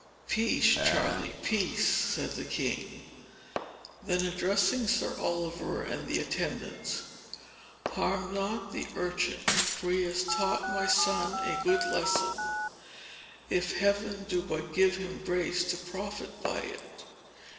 "Peace, Charlie, peace!" said the king; then addressing Sir Oliver and the attendants, "Harm not the urchin; for he has taught my son a good lesson, if Heaven do but give him grace to profit by it.